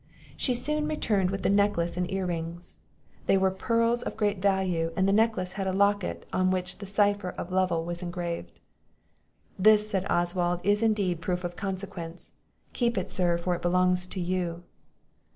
She soon returned with the necklace and ear rings; They were pearls of great value; and the necklace had a locket, on which the cypher of Lovel was engraved. "This," said Oswald, "is indeed a proof of consequence. Keep it, sir, for it belongs to you."